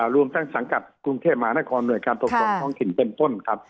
รวมทั้งสังกัดกรุงเทพมหานครหน่วยการปกครองท้องถิ่นเป็นต้นครับ